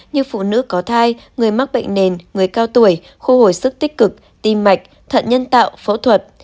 như phụ nữ có thai người mắc bệnh nền người cao tuổi khô hồi sức tích cực tim mạch thận nhân tạo phẫu thuật